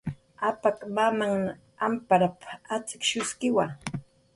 "Apak mamnhan amparp"" atz'ikshuskiwa"